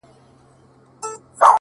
چي مي دا خپلي شونډي’